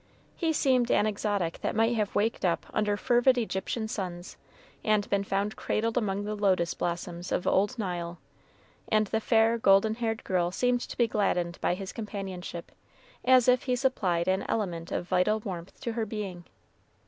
He seemed an exotic that might have waked up under fervid Egyptian suns, and been found cradled among the lotus blossoms of old Nile; and the fair golden haired girl seemed to be gladdened by his companionship, as if he supplied an element of vital warmth to her being.